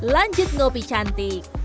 lanjut ngopi cantik